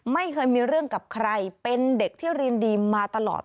ไม่เคยมีเรื่องกับใครเป็นเด็กที่เรียนดีมาตลอด